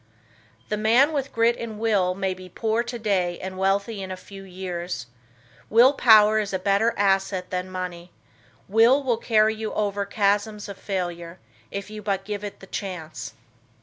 The man with grit and will, may be poor today and wealthy in a few years; will power is a better asset than money; Will will carry you over chasms of failure, if you but give it the chance.